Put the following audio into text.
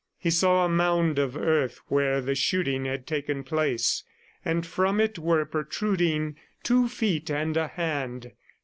He saw a mound of earth where the shooting had taken place, and from it were protruding two feet and a hand.